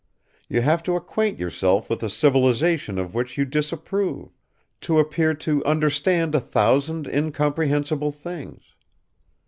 You have to acquaint yourself with a civilization of which you disapprove, to appear to understand a thousand incomprehensible things....